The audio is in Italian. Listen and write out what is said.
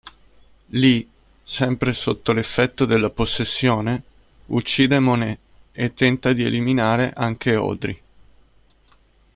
Lee, sempre sotto l'effetto della possessione, uccide Monet e tenta di eliminare anche Audrey.